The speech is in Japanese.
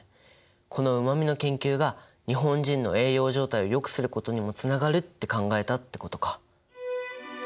このうま味の研究が日本人の栄養状態をよくすることにもつながるって考えたってことか。